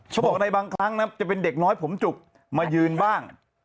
เธอบอกอะไรบางครั้งนะนะครับจะเป็นเด็กน้อยผมจุกมายืนบ้าง